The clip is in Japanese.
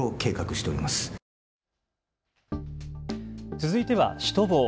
続いてはシュトボー。